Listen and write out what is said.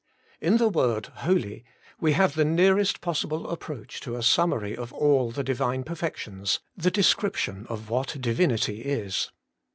In the word Holy we have the nearest possible approach to a summary of all the Divine perfections, the description of what Divinity is.